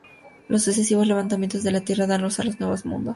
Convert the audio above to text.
Los sucesivos levantamientos de la tierra dan luz a nuevos mundos.